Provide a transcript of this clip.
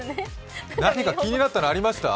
何か気になったの、ありました？